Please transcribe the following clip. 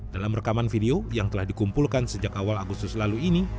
dalam rekaman video yang telah dikumpulkan sejak awal agustus lalu ini